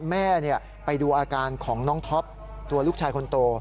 แม่ไปดูอาการของน้องท็อปตัวลูกชายคนโต